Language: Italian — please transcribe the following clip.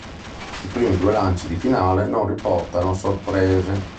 I primi due lanci di finale non riportano sorprese.